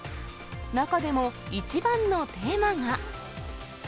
中でも、一番のテーマが。